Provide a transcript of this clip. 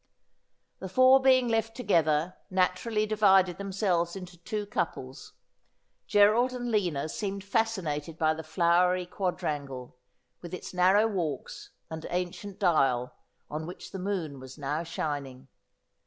The four being left together naturally divided themselves into two couples. Gerald and Lina seemed fascinated by the flowery quadrangle, with its narrow walks, and ancient dial, on which the moon was now shining.